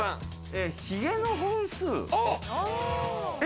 ひげの本数。